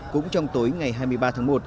cũng trong tối ngày hai mươi ba tháng một